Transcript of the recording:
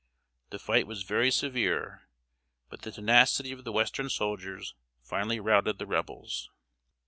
The fight was very severe, but the tenacity of the western soldiers finally routed the Rebels.